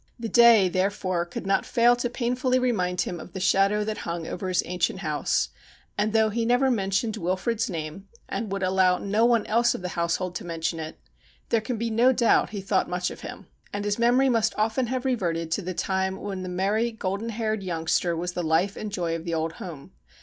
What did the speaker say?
The day, therefore, could not fail to painfully remind him of the shadow that hung over his ancient house, and though he never mentioned Wilfrid's name, and would allow no one else of the household to mention it, there can be no doubt he thought much of him. And his memory must often have reverted to the time when the merry, golden haired youngster was the life and joy of the old home.